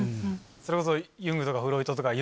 それこそユングとかフロイトとか。